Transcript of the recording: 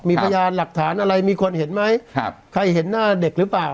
มีพยานหลักฐานอะไรมีคนเห็นไหมครับใครเห็นหน้าเด็กหรือเปล่า